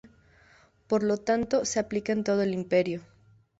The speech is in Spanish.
Por lo tanto, se aplica en todo el imperio.